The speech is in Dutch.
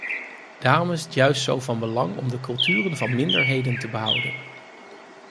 Daarom is het juist zo van belang om de culturen van minderheden te behouden.